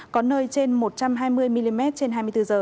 có nơi trên một trăm hai mươi mm trên hai mươi bốn h